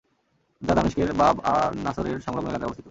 যা দামেশকের বাব আন-নাসর-এর সংলগ্ন এলাকায় অবস্থিত।